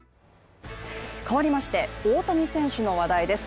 変わりまして大谷選手の話題です。